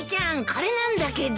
これなんだけど。